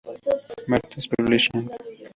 Martins Publishing.